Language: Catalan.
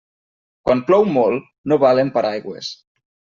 Quan plou molt, no valen paraigües.